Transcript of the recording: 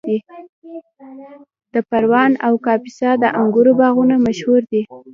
د پروان او کاپیسا د انګورو باغونه مشهور دي.